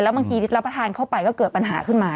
บางทีรับประทานเข้าไปก็เกิดปัญหาขึ้นมา